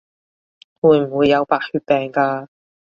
會唔會有白血病㗎？